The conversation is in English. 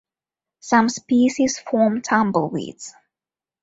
Some species form tumbleweeds.